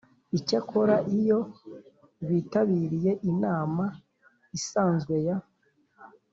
Icyakora iyo bitabiriye inama isanzwe ya